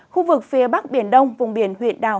khu vực phía bắc biển đông vùng biển huyện đảo